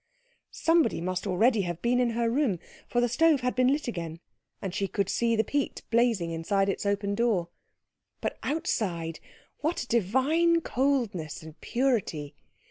Somebody must already have been in her room, for the stove had been lit again, and she could see the peat blazing inside its open door. But outside, what a divine coldness and purity!